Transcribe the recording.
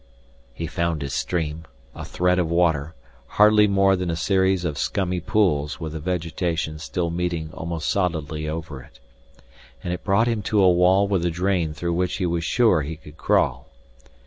He found his stream, a thread of water, hardly more than a series of scummy pools with the vegetation still meeting almost solidly over it. And it brought him to a wall with a drain through which he was sure he could crawl.